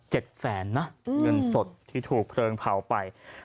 แสนนะเงินสดที่ถูกเพลิงเผาไป